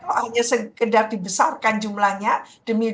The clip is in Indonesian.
kalau hanya segedar dibesarkan jumlahnya demi dukungan demi diskusi